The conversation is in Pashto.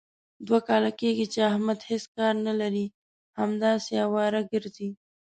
دوه کاله کېږي، چې احمد هېڅ کار نه لري. همداسې اواره ګرځي.